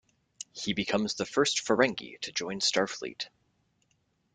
He becomes the first Ferengi to join Starfleet.